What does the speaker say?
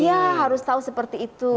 dia harus tahu seperti itu